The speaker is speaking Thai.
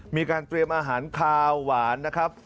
มีการเตรียมอาหารคาวหวานนะครับ